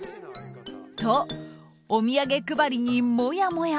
と、お土産配りにもやもや。